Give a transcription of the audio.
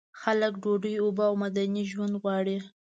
خلک ډوډۍ، اوبه او مدني ژوند غواړي.